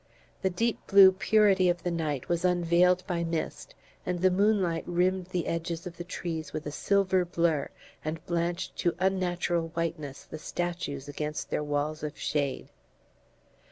The deep blue purity of the night was unveiled by mist, and the moonlight rimmed the edges of the trees with a silver blur and blanched to unnatural whiteness the statues against their walls of shade.